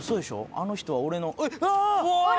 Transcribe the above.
あの人は俺のああ！」